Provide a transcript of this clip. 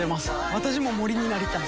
私も森になりたい。